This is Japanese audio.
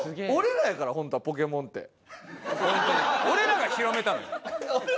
俺らが広めたのよ。